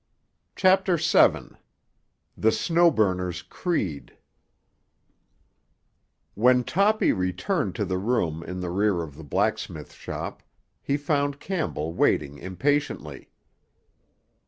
CHAPTER VII—THE SNOW BURNER'S CREED When Toppy returned to the room in the rear of the blacksmith shop he found Campbell waiting impatiently.